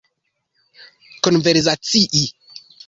konversacii